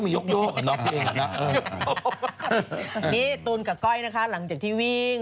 นี่ตูนกับก้อยนะคะหลังจากที่วิ่ง